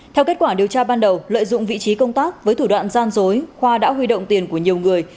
theo kết quả điều tra ban đầu lợi dụng vị trí công tác với thủ đoạn gian dối khoa đã huy động tiền của nhiều người